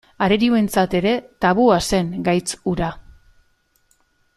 Arerioentzat ere tabua zen gaitz hura.